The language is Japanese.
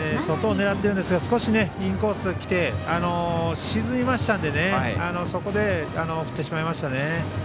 外を狙っているんですが少しインコースきて沈みましたのでそこで振ってしまいましたね。